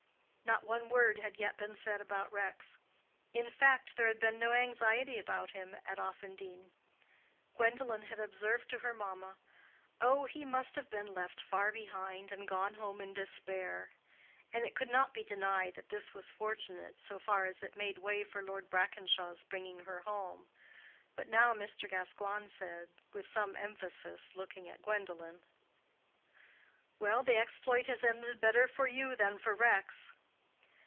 Not one word had yet been said about Rex. In fact there had been no anxiety about him at Offendene. Gwendolen had observed to her mamma, "Oh, he must have been left far behind, and gone home in despair," and it could not be denied that this was fortunate so far as it made way for Lord Brackenshaw's bringing her home. But now Mr. Gascoigne said, with some emphasis, looking at Gwendolen, "Well, the exploit has ended better for you than for Rex."